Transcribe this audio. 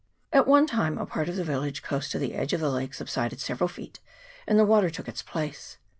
At one time a part of the village close to the edge of the lake subsided several feet, and the water took its place.